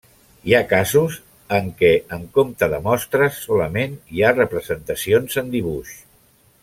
Hi ha casos en què en compte de mostres solament hi ha representacions en dibuix.